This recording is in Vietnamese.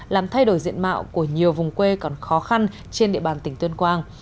làm thay đổi diện mạo của nhiều vùng quê còn khó khăn trên địa bàn tỉnh tuyên quang